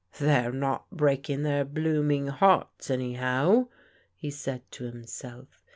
" They're not breaking their blooming hearts anyhow," he said to himself.